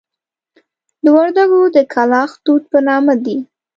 د وردکو د کلاخ توت په نامه دي.